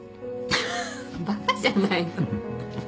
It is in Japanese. バカじゃないの？